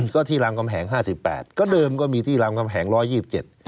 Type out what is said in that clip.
ก็ที่รามกำแหงห้าสิบแปดก็เดิมก็มีที่รามกำแหงร้อยยี่สิบเจ็ด